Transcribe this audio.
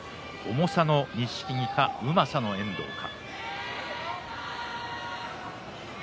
重さの錦木かうまさの遠藤か。